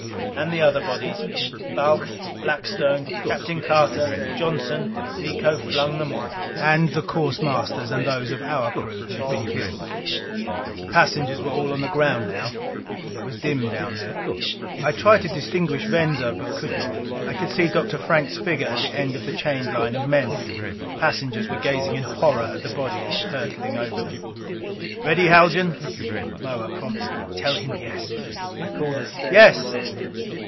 And the other bodies, Balch, Blackstone, Captain Carter, Johnson Miko flung them all. And the course masters and those of our crew who had been killed. The passengers were all on the ground now. It was dim down there. I tried to distinguish Venza, but could not. I could see Dr. Frank's figure at the end of the chained line of men. The passengers were gazing in horror at the bodies hurtling over them. "Ready, Haljan?" Moa prompted me. "Tell him yes!" I called, "Yes!"